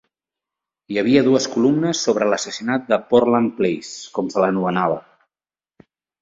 Hi havia dues columnes sobre l'Assassinat de Portland Place, com se l'anomenava.